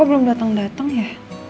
belum datang datang ya